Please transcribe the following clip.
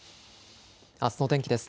あすの天気です。